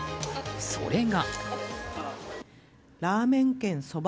それが。